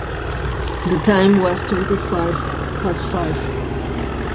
The time was twenty-five past five.